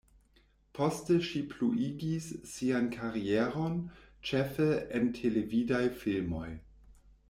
Poste, ŝi pluigis sian karieron ĉefe en televidaj filmoj.